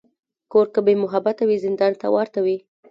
کور که بېمحبته وي، زندان ته ورته وي.